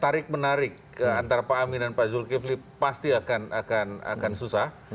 tarik menarik antara pak amin dan pak zulkifli pasti akan susah